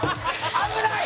危ない！